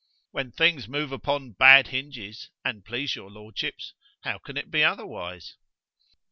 "When things move upon bad hinges, an' please your lordships, _how can it be otherwise?"